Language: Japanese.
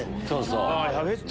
そうそう。